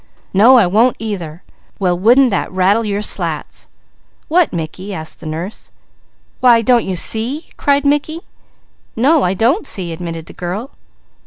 No I won't either! Well wouldn't that rattle your slats?" "What, Mickey?" asked the nurse. "Why don't you see?" cried Mickey. "No, I don't see," admitted the girl.